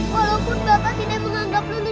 walaupun bapak tidak menganggap dulu